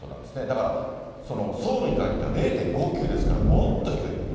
だからソウルに限っては０．５９ですから、もっと低い。